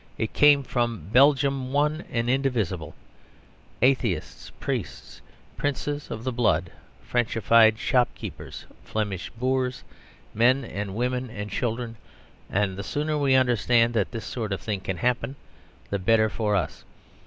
It came from Belgium one and indivisible atheists, priests, princes of the blood, Frenchified shopkeepers, Flemish boors, men, women, and children, and the sooner we understand that this sort of thing can happen the better for us.